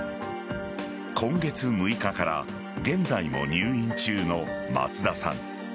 今月６日から現在も入院中の松田さん。